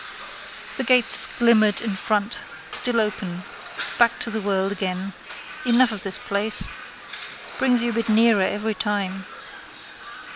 The gates glimmered in front: still open. Back to the world again. Enough of this place. Brings you a bit nearer every time.